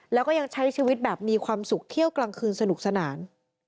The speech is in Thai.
แล้วก็ยังใช้ชีวิตแบบมีความสุขเที่ยวกลางคืนสนุกสนาน